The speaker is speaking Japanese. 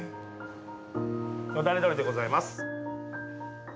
よだれ鶏でございます。